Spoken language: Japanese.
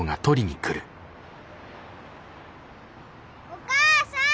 お母さん！